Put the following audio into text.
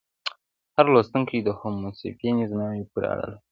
هر لوستونکی د هومو سیپینز نوعې پورې اړه لري.